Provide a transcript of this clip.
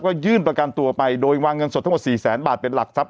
ก็ยื่นประกันตัวไปโดยวางเงินสดทั้งหมด๔แสนบาทเป็นหลักทรัพย